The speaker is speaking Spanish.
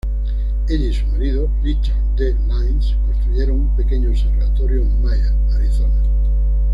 Ella y su marido, Richard D. Lines, construyeron un pequeño observatorio en Mayer, Arizona.